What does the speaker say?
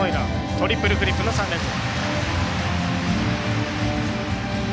トリプルフリップの３連続。